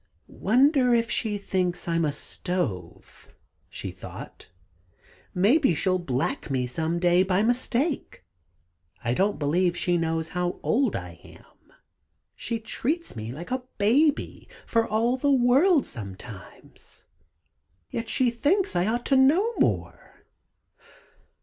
"Wonder if she thinks I'm a stove," she thought. "Maybe she'll black me some day by mistake! I don't believe she knows how old I am she treats me like a baby, for all the world sometimes, yet she thinks I ought to know more.